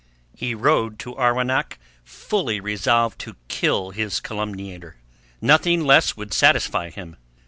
He rode to Arwenack fully resolved to kill his calumniator. Nothing less would satisfy him.